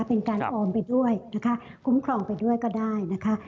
เป็นการออมไปด้วยนะคะคุ้มครองไปด้วยก็ได้นะคะ